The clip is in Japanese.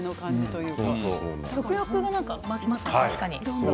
食欲が増しますよね。